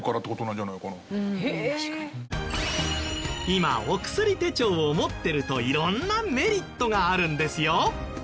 今お薬手帳を持ってると色んなメリットがあるんですよ。